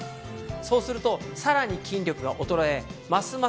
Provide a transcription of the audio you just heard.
そうするとさらに筋力が衰えますます